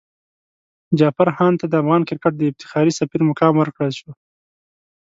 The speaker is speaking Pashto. جعفر هاند ته د افغان کرکټ د افتخاري سفیر مقام ورکړل شو.